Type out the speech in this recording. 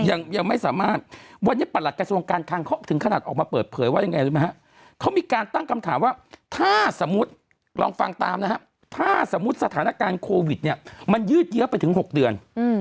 ยังไม่สามารถวันนี้ประหลักกระทรวงการคังเขาถึงขนาดออกมาเปิดเผยว่ายังไงรู้ไหมฮะเขามีการตั้งคำถามว่าถ้าสมมุติลองฟังตามนะฮะถ้าสมมุติสถานการณ์โควิดเนี่ยมันยืดเยอะไปถึง๖เดือน